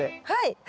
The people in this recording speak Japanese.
はい。